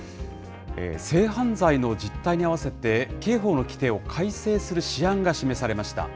性犯罪の実態に合わせて、刑法の規定を改正する試案が示されました。